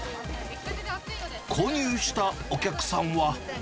購入したお客さんは。